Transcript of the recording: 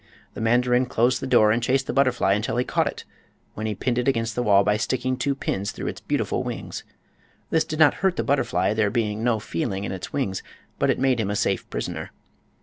The mandarin closed the door and chased the butterfly until he caught it, when he pinned it against the wall by sticking two pins through its beautiful wings. This did not hurt the butterfly, there being no feeling in its wings; but it made him a safe prisoner.